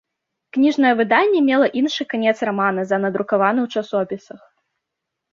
Кніжнае выданне мела іншы канец рамана за надрукаваны ў часопісах.